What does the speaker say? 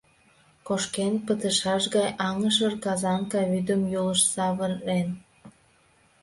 Кошкен пытышаш гай аҥышыр Казанка вӱдым Юлыш савырен.